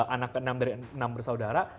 anak ke enam dari enam bersaudara